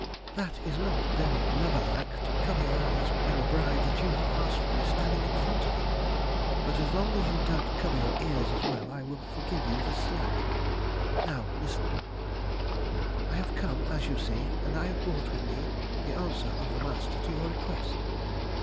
"That is not very lover like to cover your eyes when the bride that you have asked for is standing in front of you; but as long as you don't cover your ears as well, I will forgive you the slight. Now, listen. "I have come, as you see, and I have brought with me the answer of the Master to your request.